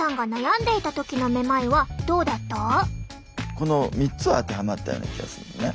この３つは当てはまったような気がするのね。